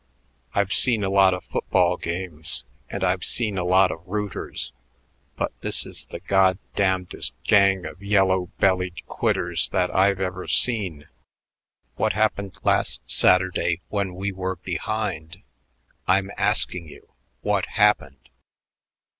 "I've seen a lot of football games, and I've seen lots of rooters, but this is the goddamndest gang of yellow bellied quitters that I've ever seen. What happened last Saturday when we were behind? I'm asking you; what happened?